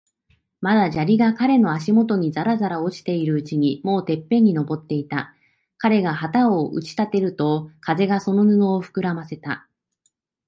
まだ砂利が彼の足もとにざらざら落ちているうちに、もうてっぺんに登っていた。彼が旗を打ち立てると、風がその布をふくらませた。